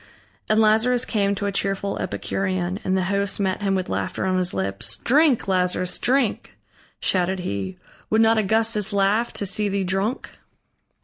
And Lazarus came to a cheerful Epicurean, and the host met him with laughter on his lips: "Drink, Lazarus, drink!" shouted he. "Would not Augustus laugh to see thee drunk!"